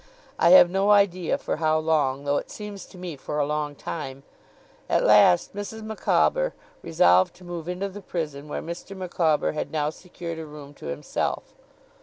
I have no idea for how long, though it seems to me for a long time. At last Mrs. Micawber resolved to move into the prison, where Mr. Micawber had now secured a room to himself.